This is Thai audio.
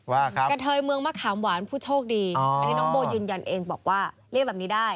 กระเทยเมืองมะขามหวานผู้โชคดีอันนี้น้องโบยืนยันเองบอกว่าเรียกแบบนี้ได้